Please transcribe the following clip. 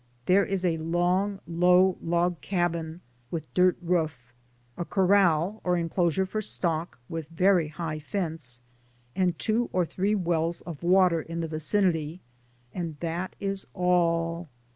There is a long, low log cabin, with dirt roof, a corral, or inclosure for stock, with very high fence, and two or three wells of water in the vicinity, and that is all.